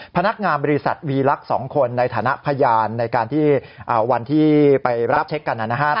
พนักงามบริษัทวีลักษณ์๒คนในฐานะพยานในวันที่ไปรับเช็คกันนั้น